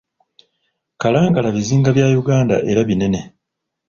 Kalangala bizinga bya Uganda era binene.